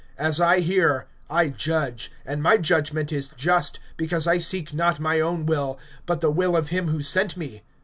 As I hear, I judge; and my judgment is just; because I seek not my own will, but the will of him who sent me.